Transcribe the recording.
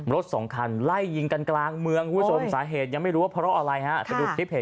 รถสองคันไล่ยิงกลางเมืองว่าสมสาเหตุยังไม่รู้ว่าเพราะอะไร